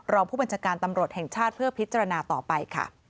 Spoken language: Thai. รองผู้บัญชาการตำรวจแห่งชาติเพื่อพิจารณาต่อไปค่ะ